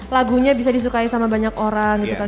lagunya bisa disukai sama banyak orang gitu kan